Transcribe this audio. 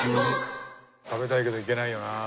食べたいけどいけないよなあ。